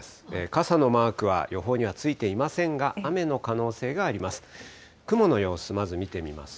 傘のマークは予報にはついていませんが、雨の可能性があります。